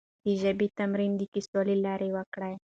د ژبې تمرين د کيسو له لارې وکړئ.